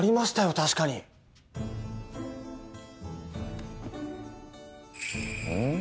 確かにん？